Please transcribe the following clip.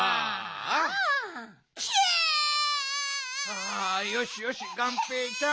あよしよしがんぺーちゃん。